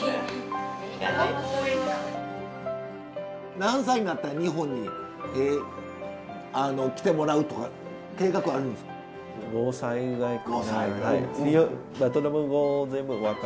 何歳になったら日本に来てもらうとか計画はあるんですか？